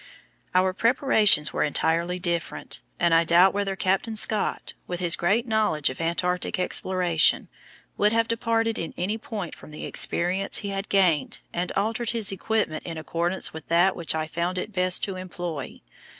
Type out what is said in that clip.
Our preparations were entirely different, and I doubt whether Captain Scott, with his great knowledge of Antarctic exploration, would have departed in any point from the experience he had gained and altered his equipment in accordance with that which I found it best to employ.